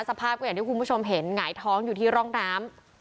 สภาพก็อย่างที่คุณผู้ชมเห็นหงายท้องอยู่ที่ร่องน้ำ